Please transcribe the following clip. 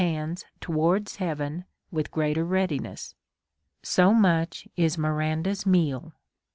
79 hands towards heaven with greater readiness, so much is Miranda's meal.